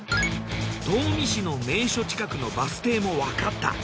東御市の名所近くのバス停もわかった。